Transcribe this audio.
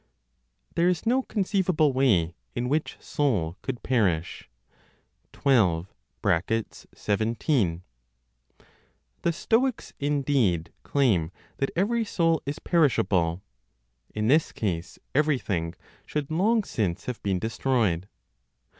THERE IS NO CONCEIVABLE WAY IN WHICH SOUL COULD PERISH. 12. (17). (The Stoics), indeed, claim that every soul is perishable. In this case, everything should long since have been destroyed.